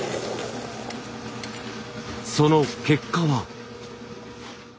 その結果は？